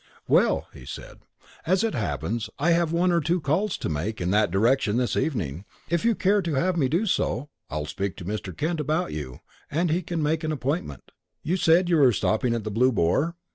"Well," he said, "as it happens, I have one or two calls to make in that direction this evening. If you care to have me do so, I'll speak to Mr. Kent about you, and he can make an appointment. You said you were stopping at the Blue Boar?"